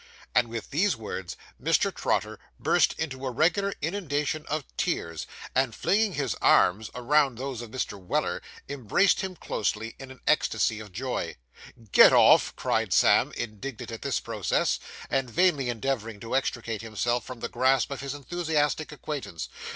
And with these words, Mr. Trotter burst into a regular inundation of tears, and, flinging his arms around those of Mr. Weller, embraced him closely, in an ecstasy of joy. 'Get off!' cried Sam, indignant at this process, and vainly endeavouring to extricate himself from the grasp of his enthusiastic acquaintance.